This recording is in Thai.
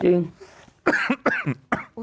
จริง